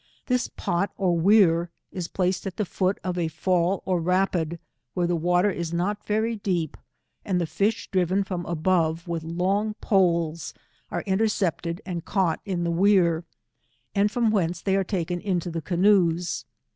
This pot or wear is placed at the foot of a fall or rapid, whare the water is not very deep, and the fish driven from above with long poles, are intercep ted and caught in the wear, from whence they are taken into the canoes.